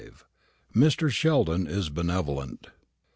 MR. SHELDON IS BENEVOLENT.